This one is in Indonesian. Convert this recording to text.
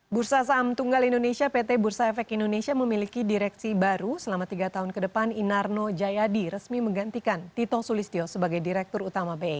bursa saham tunggal indonesia pt bursa efek indonesia memiliki direksi baru selama tiga tahun ke depan inarno jayadi resmi menggantikan tito sulistyo sebagai direktur utama bi